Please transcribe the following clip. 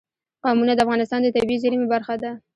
قومونه د افغانستان د طبیعي زیرمو برخه ده.